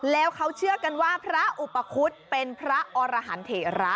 แล้วเขาเชื่อกันว่าพระอุปคุฎเป็นพระอรหันเถระ